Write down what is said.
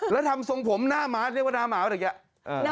แล้วทำทรงผมหน้าม้าเรียกว่าหน้าหมาอะไรอย่างนี้